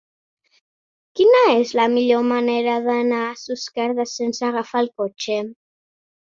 Quina és la millor manera d'anar a Susqueda sense agafar el cotxe?